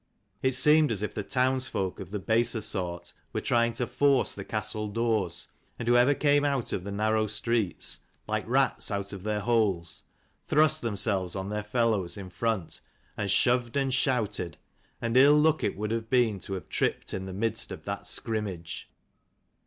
It seemed as if the townsfolk of the baser sort were trying to force the castle doors : and whoever came out of the narrow streets, like rats out of their holes, thrust themselves on their fellows in front and shoved and shouted; and ill luck it would have been to have tripped in the midst of that scrimmage.